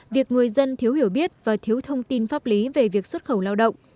việc người dân thiếu hiểu biết và thiếu thông tin pháp lý về việc xuất khẩu lao động